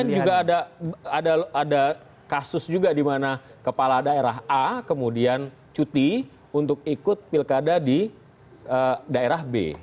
kemudian juga ada kasus juga di mana kepala daerah a kemudian cuti untuk ikut pilkada di daerah b